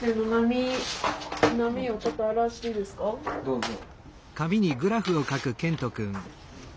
どうぞ。